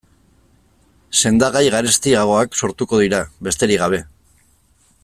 Sendagai garestiagoak sortuko dira, besterik gabe.